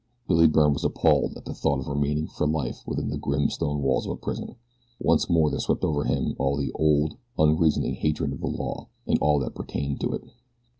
Billy Byrne was appalled at the thought of remaining for life within the grim stone walls of a prison. Once more there swept over him all the old, unreasoning hatred of the law and all that pertained to it.